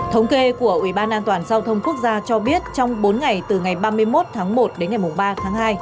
thống kê của ủy ban an toàn giao thông quốc gia cho biết trong bốn ngày từ ngày ba mươi một tháng một đến ngày ba tháng hai